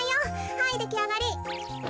はいできあがり。